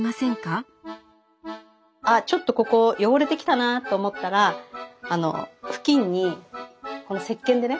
あちょっとここ汚れてきたなと思ったらあの布巾にこの石けんでね。